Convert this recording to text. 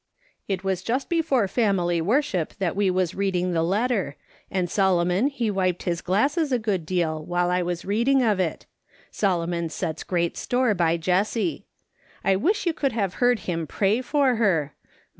"It was just before family worship that we was 46 MKS. SOLOMON SMITH LOOKING ON. reading the letter, and Solomon he wiped his glasses a good deal while I was reading of it ; Solomon sets f'reat store by Jessie. I wish you could have heard him pray for her